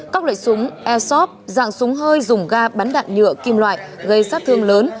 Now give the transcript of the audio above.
các loại súng airshop dạng súng hơi dùng ga bắn đạn nhựa kim loại gây sát thương lớn